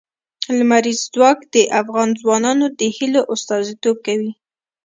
لمریز ځواک د افغان ځوانانو د هیلو استازیتوب کوي.